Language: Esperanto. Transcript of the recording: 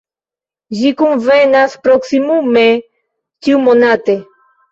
Ĝi kunvenas proksimume ĉiumonate.